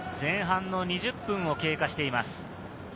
前半の２０分を経過しています。